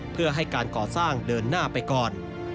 เพื่อให้การก่อสร้างเดินหน้าไปก่อน